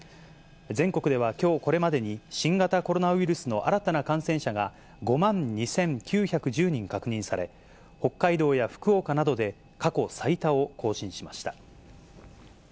全国ではきょうこれまでに、新型コロナウイルスの新たな感染者が５万２９１０人確認され、北海道や福岡などで過去最多を更新しました。